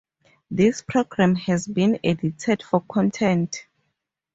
This program has been edited for content.